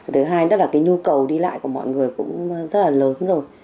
thứ hai là nhu cầu đi lại của mọi người cũng rất là lớn rồi